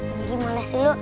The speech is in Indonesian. onggi mulai dulu